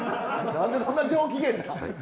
何でそんな上機嫌なん？